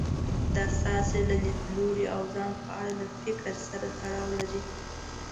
دا ستاسې له ليدلوري او ځان په اړه له فکر سره تړاو لري.